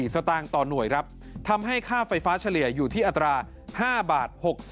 สตางค์ต่อหน่วยครับทำให้ค่าไฟฟ้าเฉลี่ยอยู่ที่อัตรา๕บาท